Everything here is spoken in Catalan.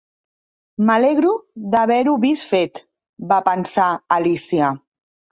"M'alegro d'haver-ho vist fet", va pensar Alícia.